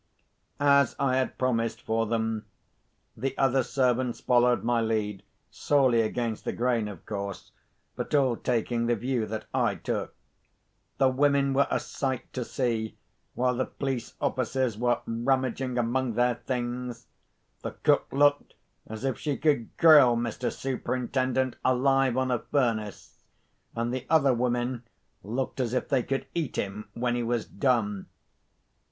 As I had promised for them, the other servants followed my lead, sorely against the grain, of course, but all taking the view that I took. The women were a sight to see, while the police officers were rummaging among their things. The cook looked as if she could grill Mr. Superintendent alive on a furnace, and the other women looked as if they could eat him when he was done.